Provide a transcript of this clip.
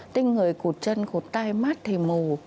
tinh người cụt chân cụt tay mắt thì mù